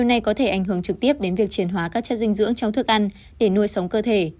ảnh hưởng trực tiếp đến việc triển hóa các chất dinh dưỡng trong thức ăn để nuôi sống cơ thể